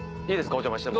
お邪魔しても。